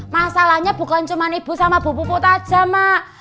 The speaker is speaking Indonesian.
masalahnya bukan cuma ibu sama bu bupo tajam mak